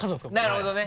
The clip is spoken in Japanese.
なるほどね。